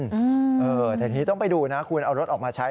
อืมเออแต่ทีนี้ต้องไปดูนะคุณเอารถออกมาใช้